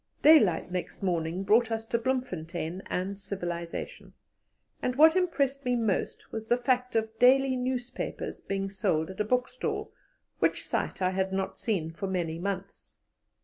Daylight next morning brought us to Bloemfontein and civilization, and what impressed me most was the fact of daily newspapers being sold at a bookstall, which sight I had not seen for many months.